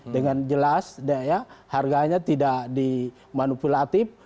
dengan jelas harganya tidak dimanipulatif